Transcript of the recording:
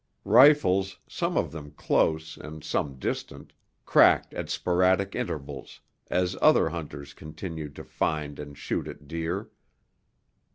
Rifles, some of them close and some distant, cracked at sporadic intervals as other hunters continued to find and shoot at deer.